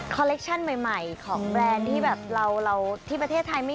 ว่านี่ที่เห็นก็ซื้อใบนึงอะไรแบบนี้แค่นั้นเองค่ะ